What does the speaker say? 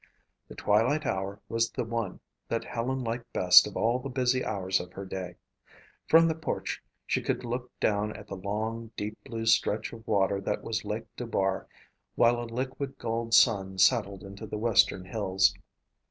The twilight hour was the one that Helen liked best of all the busy hours of her day. From the porch she could look down at the long, deep blue stretch of water that was Lake Dubar while a liquid gold sun settled into the western hills.